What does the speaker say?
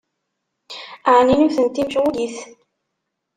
Ɛni nutenti mecɣulit?